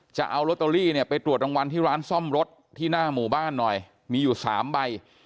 จะเอาลอตเตอรี่เนี่ยไปตรวจรางวัลที่ร้านซ่อมรถที่หน้าหมู่บ้านหน่อยมีอยู่๓ใบ